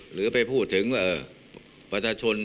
หรือไปพูดถึงแบตรชน